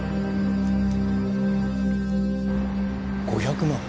５００万？